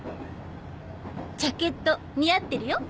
ジャケット似合ってるよ。